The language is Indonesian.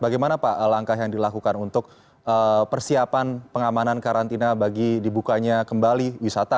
bagaimana pak langkah yang dilakukan untuk persiapan pengamanan karantina bagi dibukanya kembali wisata